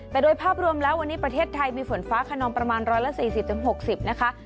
แต่โดยภาพรวมแล้ววันนี้ประเทศไทยมีฝนฟ้าขนองประมาณ๑๔๐๖๐นะคะ